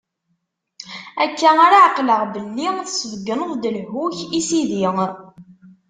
Akka ara ɛeqleɣ belli tesbeggneḍ-d lehhu-k i sidi.